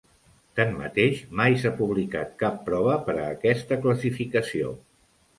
Tanmateix, mai s'ha publicat cap prova per a aquesta classificació.